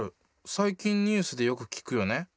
最近ニュースでよく聞くよね。